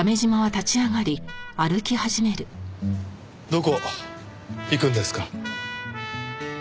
どこ行くんですか？